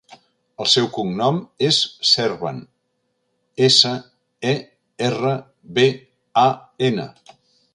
El seu cognom és Serban: essa, e, erra, be, a, ena.